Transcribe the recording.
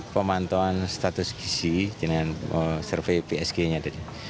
pemantauan status gizi dengan survei psg nya tadi